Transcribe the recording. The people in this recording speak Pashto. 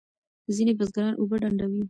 ځینې بزګران اوبه ډنډوي.